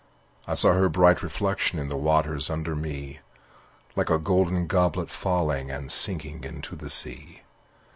I saw her bright reflection In the watrers under me, Like a golden goblet falling And sinking into the sea.